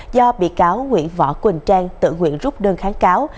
do bị cáo nguyễn võ quỳnh trang tự nguyện rút đơn kháng cáo